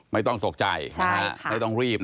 ไม่ต้องตกใจไม่ต้องรีบ